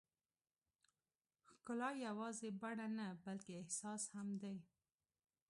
ښکلا یوازې بڼه نه، بلکې احساس هم دی.